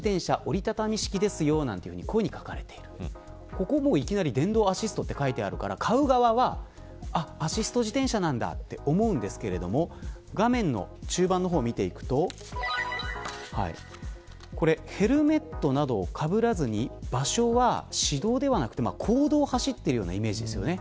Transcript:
ここ、いきなり電動アシストって書いてあるから買う側はアシスト自転車なんだって思うんですけど画面の中盤の方を見ていくとヘルメットなどをかぶらずに場所は、私道ではなくて公道を走っているようなイメージです。